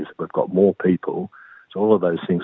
sangat kompetitif di luar sana